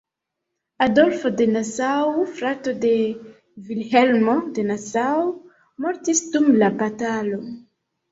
Adolfo de Nassau, frato de Vilhelmo de Nassau, mortis dum la batalo.